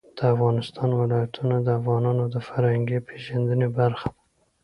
د افغانستان ولايتونه د افغانانو د فرهنګي پیژندنې برخه ده.